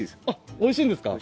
おいしいんですか。